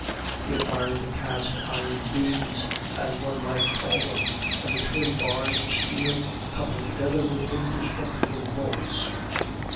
He admired the cast iron beams, as one might call them, and the twin bars of steel coupled together with indestructible bolts.